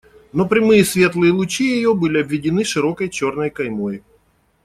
Но прямые светлые лучи ее были обведены широкой черной каймой.